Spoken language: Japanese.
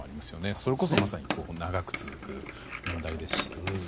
それこそまさに長く続く問題ですし。